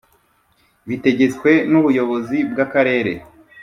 Bitegetswe n ubuyobozi bw akarere